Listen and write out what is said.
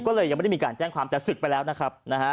ก็เลยยังไม่ได้มีการแจ้งความแต่ศึกไปแล้วนะครับนะฮะ